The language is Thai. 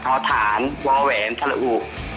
ทฐานวแหวนทละอุ